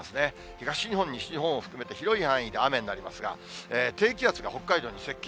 東日本、西日本を含めて広い範囲で雨になりますが、低気圧が北海道に接近。